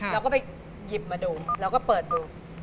เราก็ไปหยิบมาดูเราก็เปิดดู